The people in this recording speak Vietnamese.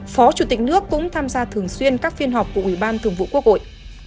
phó chủ tịch nước cũng tham gia thường xuyên các phiên họp của ủy ban thường vụ quốc hội